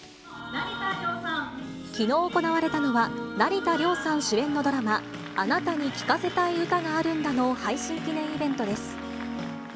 きのう行われたのは、成田凌さん主演のドラマ、あなたに聴かせたい歌があるんだの配信記念イベントです。